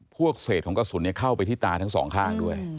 พวกเศษของกระสุนเข้าไปที่ตาทั้งสองข้างด้วย